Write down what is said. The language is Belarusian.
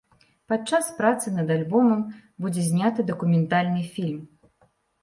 Падчас працы над альбомам будзе зняты дакументальны фільм.